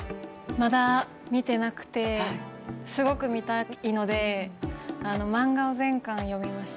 まだ見てなくて、すごく見たいので、漫画を全巻読みました。